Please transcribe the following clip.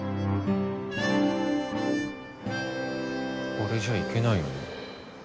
これじゃ行けないよな。